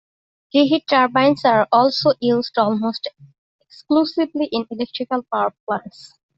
Reheat turbines are also used almost exclusively in electrical power plants.